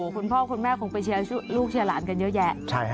คุณพ่อคุณแม่คงไปเชียร์ลูกเชียร์หลานกันเยอะแยะ